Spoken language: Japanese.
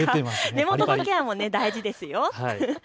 目元のケアも大事ですよ。